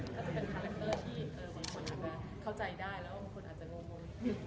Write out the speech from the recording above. ก็จะเป็นคาแรคเตอร์ที่บางคนอาจจะเข้าใจได้แล้วบางคนอาจจะงง